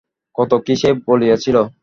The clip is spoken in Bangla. কত কী সে বলিয়াছিল।